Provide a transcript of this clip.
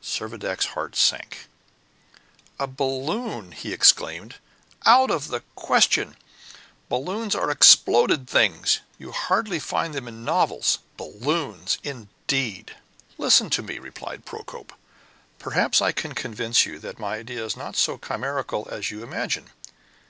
Servadac's heart sank. "A balloon!" he exclaimed. "Out of the question! Balloons are exploded things. You hardly find them in novels. Balloon, indeed!" "Listen to me," replied Procope. "Perhaps I can convince you that my idea is not so chimerical as you imagine."